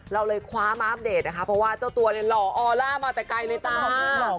เราเลยคว้ามาอัปเดตนะคะเพราะว่าเจ้าตัวเนี่ยหล่อออล่ามาแต่ไกลเลยจ้า